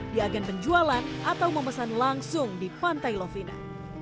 di agen penjualan atau memesan langsung di pantai lovina